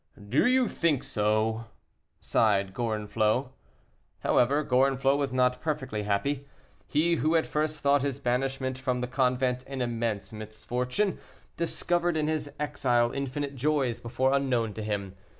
"Do you think so?" sighed Gorenflot. However, Gorenflot was not perfectly happy. He, who at first thought his banishment from the convent an immense misfortune, discovered in his exile infinite joys before unknown to him.